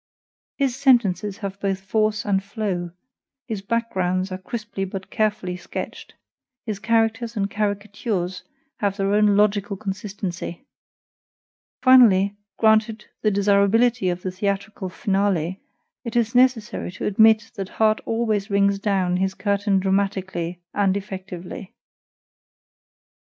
His sentences have both force and flow; his backgrounds are crisply but carefully sketched; his characters and caricatures have their own logical consistency. Finally, granted the desirability of the theatric finale, it is necessary to admit that Harte always rings down his curtain dramatically and effectively.